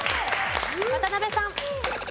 渡辺さん。